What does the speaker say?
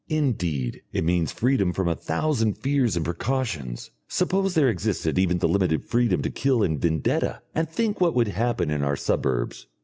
Indeed, it means freedom from a thousand fears and precautions. Suppose there existed even the limited freedom to kill in vendetta, and think what would happen in our suburbs.